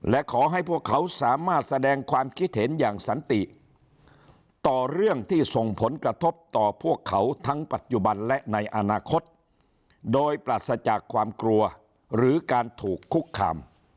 และขอให้พวกเขาสามารถแสดงความคิดเห็นอย่างสันติต่อเรื่องที่ส่งผลกระทบต่อพวกเขาทั้งปัจจุบันและในอนาคตโดยปราศจากความกลัวหรือการถูกคุกคาม